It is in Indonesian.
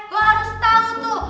lo harus tahu tuh